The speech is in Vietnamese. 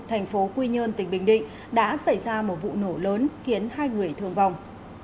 thành phố quy nhơn tỉnh bình định đã xảy ra một vụ nổ lớn khiến hai người thương vong